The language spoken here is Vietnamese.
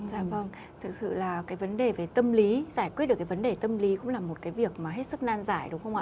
dạ vâng thực sự là cái vấn đề về tâm lý giải quyết được cái vấn đề tâm lý cũng là một cái việc mà hết sức nan giải đúng không ạ